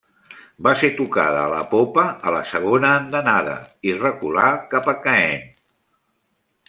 Va ser tocada a la popa a la segona andanada i reculà cap a Caen.